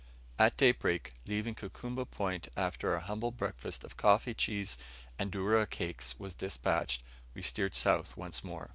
At daybreak, leaving Kukumba Point after our humble breakfast of coffee, cheese, and dourra cakes was despatched, we steered south once more.